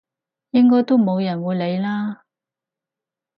應該都冇人會理啦！